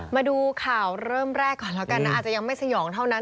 มาดูข่าวเริ่มแรกก่อนแล้วกันนะอาจจะยังไม่สยองเท่านั้น